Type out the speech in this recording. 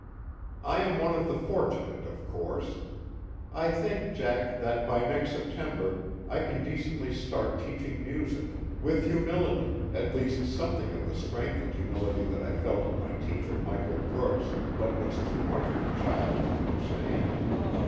I am one of the fortunate of course. I think, Jack, that by next September I can decently start teaching music with humility, at least something of the strength and humility that I felt in my teacher Michael Brooks but was too much of a child to understand.